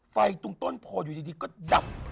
ไฟตรงต้นโผล่อยู่ดีก็ดับ